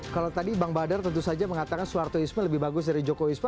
kalau tadi bang badar tentu saja mengatakan soehartoisme lebih bagus dari joko wisma